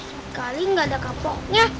sekali gak ada kapoknya